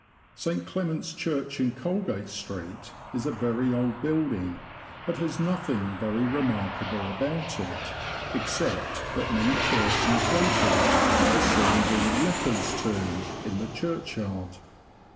St. Clement's Church, in Colegate Street, is a very old building, but has nothing very remarkable about 80 THE LAND OF THE BROADS. it, except that many persons go to it to see the ''Leper's Tomb," in the churchyard.